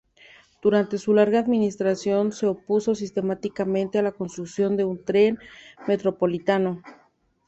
Durante su larga administración, se opuso sistemáticamente a la construcción de un tren metropolitano.